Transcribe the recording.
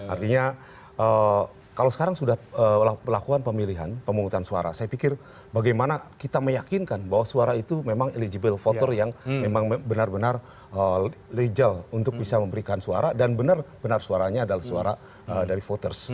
artinya kalau sekarang sudah melakukan pemilihan pemungutan suara saya pikir bagaimana kita meyakinkan bahwa suara itu memang eligible voter yang memang benar benar legal untuk bisa memberikan suara dan benar benar suaranya adalah suara dari voters